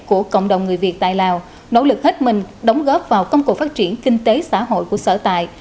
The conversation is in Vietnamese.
của cộng đồng người việt tại lào nỗ lực hết mình đóng góp vào công cụ phát triển kinh tế xã hội của sở tại